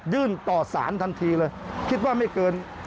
ต่อสารทันทีเลยคิดว่าไม่เกิน